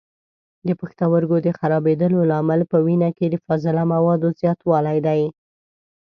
د پښتورګو د خرابېدلو لامل په وینه کې د فاضله موادو زیاتولی دی.